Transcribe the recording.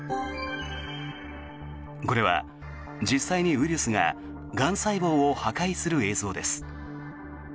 これは、実際にウイルスががん細胞を破壊する映像です。